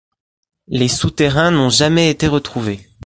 Les souterrains n'ont jamais été retrouvés.